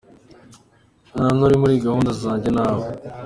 Nta nuri muri gahunda zanjye, ntawe,.